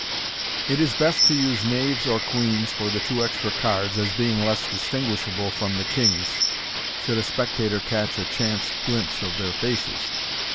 It is best to use knaves or queens for the two extra cards, as being less distinguishable from the kings, should a spec tator catch a chance glimpse of their faces.